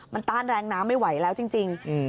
มันต้านแรงน้ำไม่ไหวแล้วจริง